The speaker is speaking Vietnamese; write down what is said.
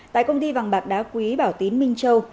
tại công ty vàng bạc đá quý bảo tín minh châu